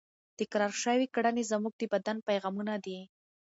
تکرار شوې کړنې زموږ د بدن پیغامونه دي.